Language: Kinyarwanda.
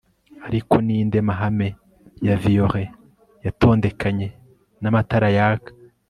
ariko ninde mahame ya violet yatondekanye n'amatara yaka